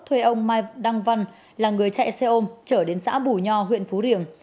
thuê ông mai đăng văn là người chạy xe ôm trở đến xã bù nho huyện phú riềng